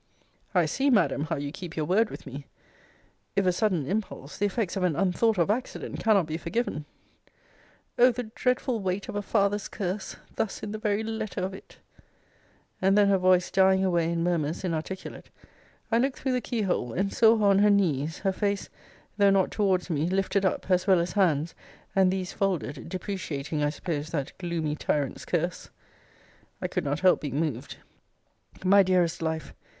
I see, Madam, how you keep your word with me if a sudden impulse, the effects of an unthought of accident, cannot be forgiven O the dreadful weight of a father's curse, thus in the very letter of it And then her voice dying away in murmurs inarticulate, I looked through the key hole, and saw her on her knees, her face, though not towards me, lifted up, as well as hands, and these folded, depreciating, I suppose, that gloomy tyrant's curse. I could not help being moved. My dearest life!